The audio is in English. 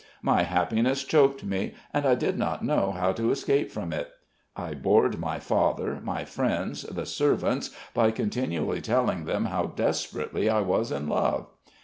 My happiness choked me, and I did not know how to escape from it. I bored my father, my friends, the servants by continually telling them how desperately I was in love.